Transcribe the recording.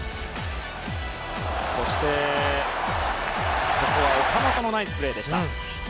そして岡本もナイスプレーでした。